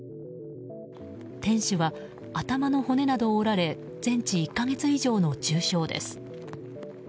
店主は頭の骨などを折られ全治１か月以上の重傷です。